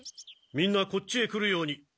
みんなこっちへ来るように。